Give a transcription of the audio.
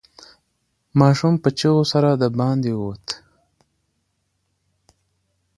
ماشوم په چیغو سره د باندې ووت.